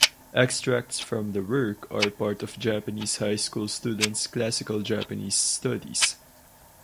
Extracts from the work are part of Japanese high school students' classical Japanese studies.